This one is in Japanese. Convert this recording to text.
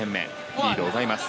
リードを奪います。